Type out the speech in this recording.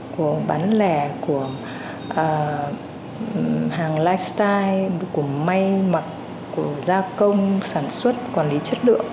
của bán lẻ của hàng lifestyle của may mặt của gia công sản xuất quản lý chất lượng